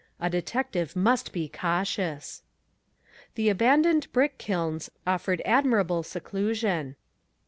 A detective must be cautious. The abandoned brick kilns offered admirable seclusion.